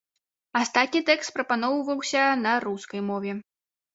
Астатні тэкст прапаноўваўся на рускай мове.